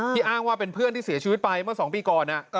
อ้างว่าเป็นเพื่อนที่เสียชีวิตไปเมื่อ๒ปีก่อน